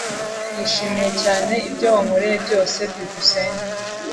Nishimiye cyane ibyo wankoreye byose. byukusenge